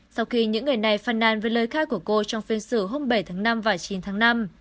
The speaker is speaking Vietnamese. sau khi những người này phàn nàn với lời khai của cô trong phiên xử hôm bảy tháng năm và chín tháng năm